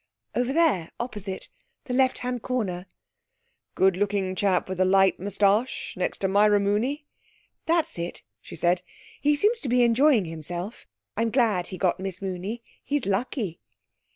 'Over there, opposite; the left hand corner.' 'Good looking chap with the light moustache next to Myra Mooney?' 'That's it,' she said. 'He seems to be enjoying himself. I'm glad he's got Miss Mooney. He's lucky.'